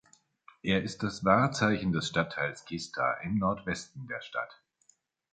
Er ist das Wahrzeichen des Stadtteils Kista im Nordwesten der Stadt.